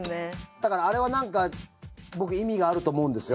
だからあれはなんか僕意味があると思うんですよ。